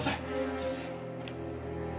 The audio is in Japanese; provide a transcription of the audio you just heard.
すいません。